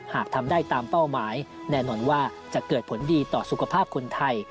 หากทำได้ตามเป้าหมายแน่นอนว่าจะเกิดผลดีต่อสุขภาพคนไทย